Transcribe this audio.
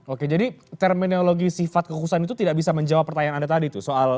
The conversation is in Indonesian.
oke jadi terminologi sifat kekusahan itu tidak bisa menjawab pertanyaan anda tadi tuh